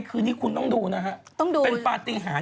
คือนี้คุณต้องดูนะฮะต้องรู้ประติฐาน